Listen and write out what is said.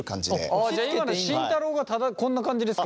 じゃあ今の慎太郎がこんな感じですか今？